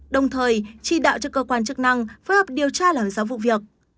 đồng thời trì đạo cho cơ quan chức năng phối hợp điều tra làm sao vụ việc